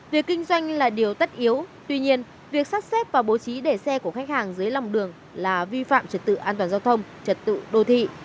việc kinh doanh là điều tất yếu tuy nhiên việc sắp xếp và bố trí để xe của khách hàng dưới lòng đường là vi phạm trật tự an toàn giao thông trật tự đô thị